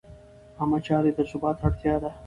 عامه چارې د ثبات اړتیا ده.